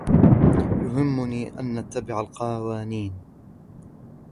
يهمّني أن نتبع القوانين.